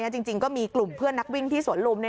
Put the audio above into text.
จริงก็มีกลุ่มเพื่อนนักวิ่งที่สวนลุม